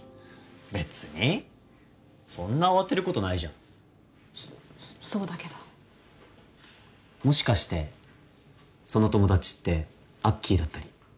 別にそんな慌てることないじゃんそそうだけどもしかしてその友達ってアッキーだったり？